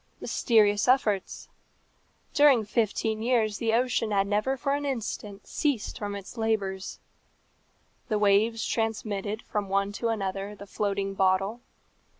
Mysterious efforts! During fifteen years the ocean had never for an instant ceased from its labours. The waves transmitted from one to another the floating bottle.